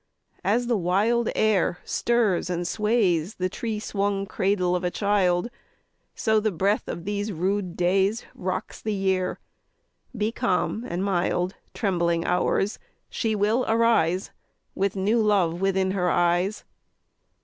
3. As the wild air stirs and sways The tree swung cradle of a child, So the breath of these rude days _15 Rocks the Year: be calm and mild, Trembling Hours, she will arise With new love within her eyes.